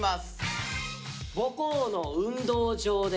「母校の運動場で」。